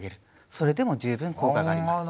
それでも十分効果があります。